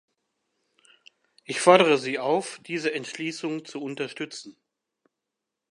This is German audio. Ich fordere Sie auf, diese Entschließung zu unterstützen.